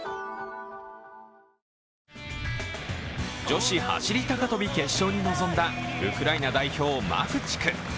女子走高跳決勝に臨んだウクライナ代表、マフチク。